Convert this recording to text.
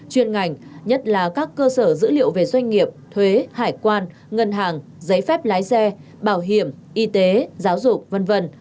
chuyên ngành nhất là các cơ sở dữ liệu về doanh nghiệp thuế hải quan ngân hàng giấy phép lái xe bảo hiểm y tế giáo dục v v